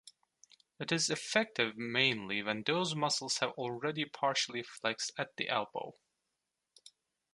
It is effective mainly when those muscles have already partially flexed at the elbow.